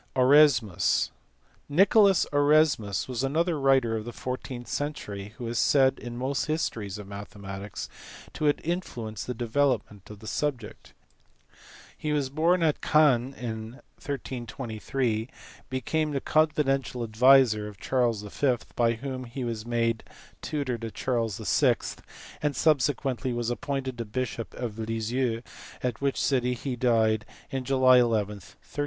Oresnmst. Nicholas Oresmus was another writer of the fourteenth century who is said in most histories of mathematics to have influenced the development of the subject. He was born at ( Vien in 1323, became the confidential adviser of Charles V. by whom he was made tutor to Charles VI., and subsequently \vas appointed bishop of Lisieux, at which city he died on Inly 11, 1382.